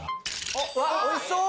うわっおいしそう！